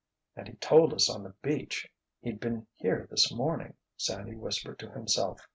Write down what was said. "And he told us, on the beach, he'd been here this morning," Sandy whispered to himself.